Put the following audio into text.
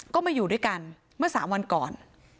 ก็มาอยู่ด้วยกันเมื่อ๓วันก่อน